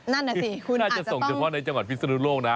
นั่นน่ะสิคุณน่าจะส่งเฉพาะในจังหวัดพิศนุโลกนะ